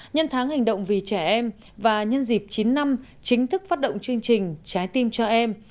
nhân tháng hành động vì trẻ em và nhân dịp chín năm chính thức phát động chương trình trái tim cho em